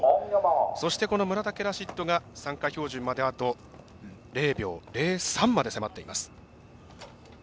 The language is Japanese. そして村竹ラシッドが参加標準まで、あと０秒０３まで迫っています。